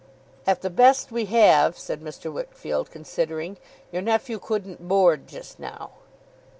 'At the best we have,' said Mr. Wickfield, considering, 'your nephew couldn't board just now.